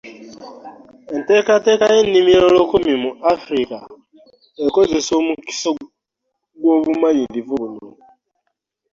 Enteekateeka y’ennimiro olukumi mu Afirika ekozesa omukisa gw’obumanyirivu buno.